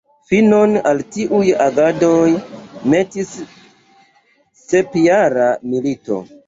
Finon al tiuj agadoj metis Sepjara milito.